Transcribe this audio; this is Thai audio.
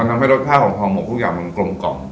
ทำให้รสชาติของหอมหมดทุกอย่างมันกลมกล่อม